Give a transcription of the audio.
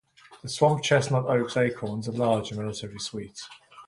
The swamp chestnut oak's acorns are large and relatively sweet.